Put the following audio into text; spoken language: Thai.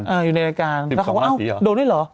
๑๒น้ำกลางที